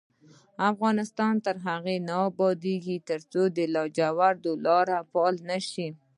افغانستان تر هغو نه ابادیږي، ترڅو د لاجوردو لار فعاله نشي.